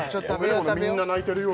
みんな泣いてるよ